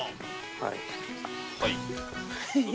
はい。